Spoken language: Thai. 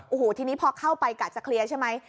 โอ้โหทีนี้พอเข้าไปกะจะเคลียร์ใช่ไหม